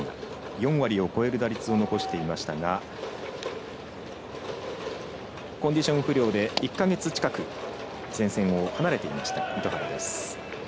４割を超える打率を残していましたがコンディション不良で１か月近く戦線を離れていた糸原です。